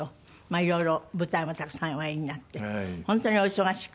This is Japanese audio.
いろいろ舞台もたくさんおやりになって本当にお忙しく。